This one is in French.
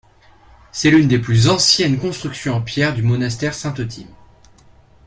C'est l'une des plus anciennes constructions en pierre du monastère Saint-Euthyme.